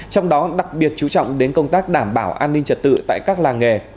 trong đó đặc biệt chú trọng đến công tác đảm bảo an ninh trật tự tại các làng nghề